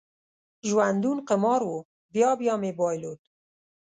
ژوندون قمار و، بیا بیا مې بایلود